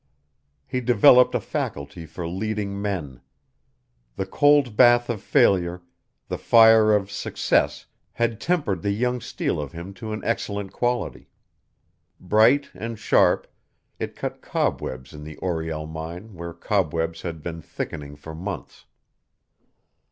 He developed a faculty for leading men. The cold bath of failure, the fire of success had tempered the young steel of him to an excellent quality; bright and sharp, it cut cobwebs in the Oriel mine where cobwebs had been thickening for months.